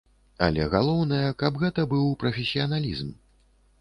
Але галоўнае, каб гэта быў прафесіяналізм.